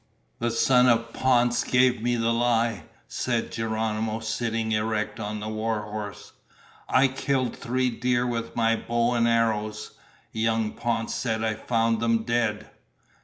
"The son of Ponce gave me the lie!" said Geronimo, sitting erect on the war horse. "I killed three deer with my bow and arrows! Young Ponce said I found them dead!"